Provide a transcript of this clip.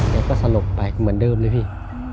แกก็สลบไปเหมือนเดิมเลยพี่